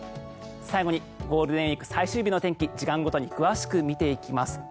最後にゴールデンウィーク最終日の天気時間ごとに詳しく見ていきます。